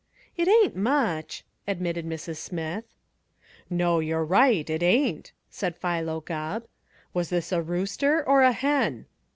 "It ain't much," admitted Mrs. Smith. "No. You're right, it ain't," said Philo Gubb. "Was this a rooster or a hen?"